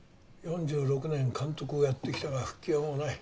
４６年監督をやってきたが復帰はもうない。